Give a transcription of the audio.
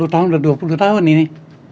sepuluh tahun dan dua puluh tahun ini